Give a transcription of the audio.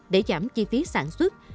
để giảm chi phí sản xuất